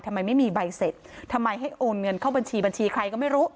ทำไมไม่มีใบเสร็จทำไมให้โอนเงินเข้าบัญชีบัญชีใครก็ไม่รู้